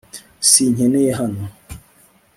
sinkeneye hano